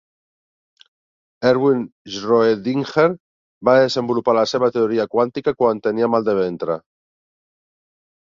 Erwin Schroedinger va desenvolupar la seva teoria quàntica quan tenia mal de ventre